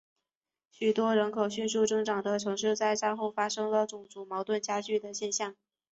许多人口迅速增长的城市在战后发生了种族矛盾加剧的现象。